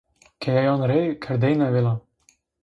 Keyeyan rê kerdêne vila